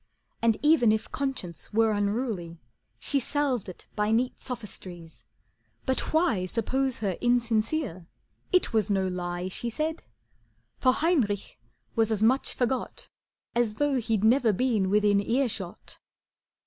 And even if conscience were unruly She salved it by neat sophistries, but why Suppose her insincere, it was no lie She said, for Heinrich was as much forgot As though he'd never been within earshot.